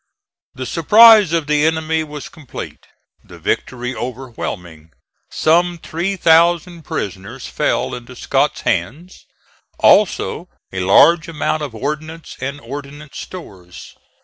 The surprise of the enemy was complete, the victory overwhelming; some three thousand prisoners fell into Scott's hands, also a large amount of ordnance and ordnance stores.